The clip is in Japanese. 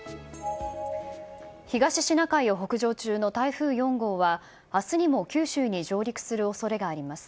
東シナ海を北上中の台風４号は、あすにも九州に上陸するおそれがあります。